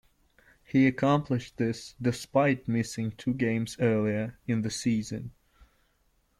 He accomplished this despite missing two games earlier in the season.